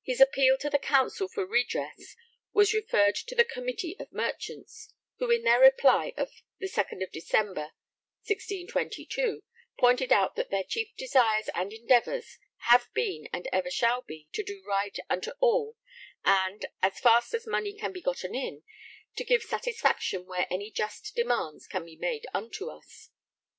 His appeal to the Council for redress was referred to the Committee of Merchants, who in their reply of 2nd December 1622 pointed out that their 'chief desires and endeavours have been and ever shall be to do right unto all and (as fast as money can be gotten in) to give satisfaction where any just demands can be made unto us.'